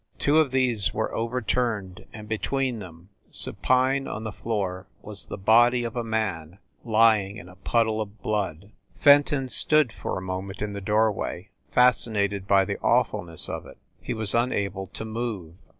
Two of these were over turned and, between them, supine upon the floor was the body of a man, lying in a puddle of blood. Fenton stood, for a moment, in the doorway, fas cinated by the aw fulness of it he was unable to move.